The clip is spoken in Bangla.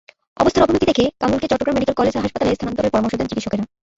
অবস্থার অবনতি দেখে কামরুলকে চট্টগ্রাম মেডিকেল কলেজ হাসপাতালে স্থানান্তরের পরামর্শ দেন চিকিৎসকেরা।